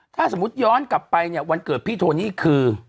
ถ้าสมมุติย้อนกลับไปเนี่ยวันเกิดพี่โทนี่คือ